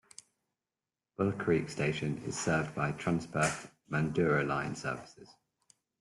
Bull Creek station is served by Transperth Mandurah line services.